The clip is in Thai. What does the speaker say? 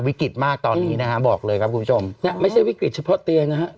วิกฤตมากตอนนี้นะฮะบอกเลยครับคุณผู้ชมเนี่ยไม่ใช่วิกฤตเฉพาะเตียงนะฮะ